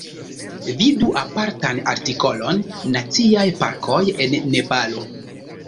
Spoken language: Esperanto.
Vidu apartan artikolon "Naciaj parkoj en Nepalo".